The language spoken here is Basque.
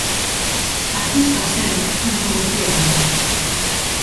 Artista zen, zentzu guztietan.